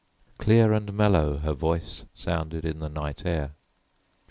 Clear and mellow her voice sounded in the night air.